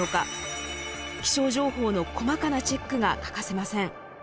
気象情報の細かなチェックが欠かせません。